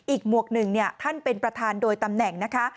หมวกหนึ่งท่านเป็นประธานโดยตำแหน่งนะคะ